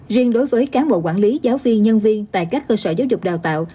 riêng đối với cán bộ quản lý giáo viên nhân viên tại các cơ sở giáo dục đào tạo